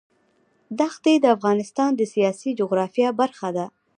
ښتې د افغانستان د سیاسي جغرافیه برخه ده.